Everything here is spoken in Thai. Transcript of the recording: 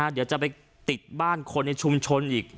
เดี๋ยวจะไปติดบ้านคนในชุมชนอีก